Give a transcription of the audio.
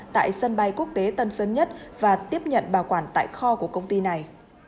tại sân bay quốc tế tân sơn nhất và tiếp nhận bảo quản tại kho của công ty này